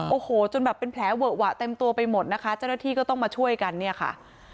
โอ้โหจนแบบเป็นแผลเวอะหวะเต็มตัวไปหมดนะคะเจ้าหน้าที่ก็ต้องมาช่วยกันเนี่ยค่ะ